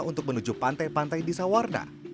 untuk menuju pantai pantai di sawarna